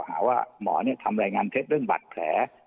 หมอเนี่ยทำรายงานเพชรเรื่องบัตรแผล